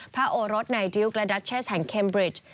โอรสในดิวกและดัชเชสแห่งเคมบริช